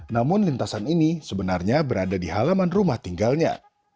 namun lintasan ini sebenarnya berada di halaman rumah tinggalnya